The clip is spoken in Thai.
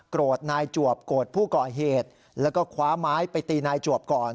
ทนายจวบโกรธผู้ก่อเหตุแล้วก็คว้าไม้ไปตีนายจวบก่อน